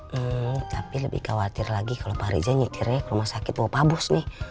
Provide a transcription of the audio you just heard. hmm tapi lebih khawatir lagi kalau pak riza nyetirnya ke rumah sakit mau pabus nih